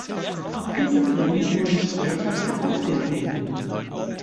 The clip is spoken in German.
Auch diese Pläne wurden später wieder aufgegeben.